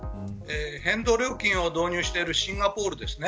変動料金を導入しているシンガポールですね。